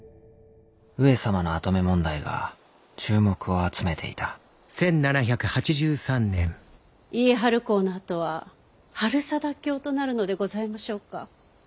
上様の跡目問題が注目を集めていた家治公の跡は治済卿となるのでございましょうか？